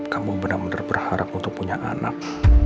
kamu bener bener berharap untuk punya anak